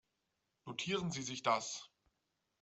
Notieren Sie sich das.